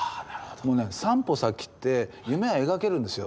もうね３歩先って夢が描けるんですよ。